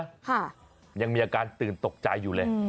ค่ะยังมีอาการตื่นตกใจอยู่เลย